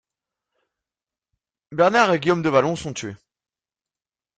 Bernard et Guillaume de Valon sont tués.